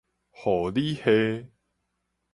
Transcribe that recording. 護理系